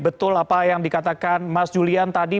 betul apa yang dikatakan mas julian tadi